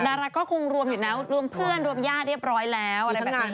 ดาราก็คงรวมด้วยนะรวมเพื่อนรวมญาติเรียบร้อยแล้ว